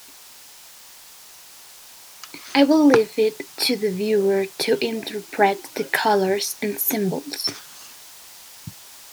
I will leave it to the viewer to interpret the colors and symbols.